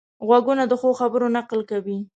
غوږونه د ښو خبرو نقل کوي